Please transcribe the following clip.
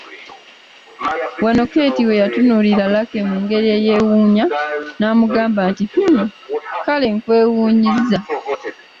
Wano Keeti we yatunuulirira Lucky mu ngeri eyeewuunya n’amugamba nti, “Hhhh…., kale nkwewuunyizza!